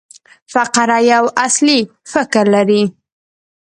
فقره یو اصلي فکر لري.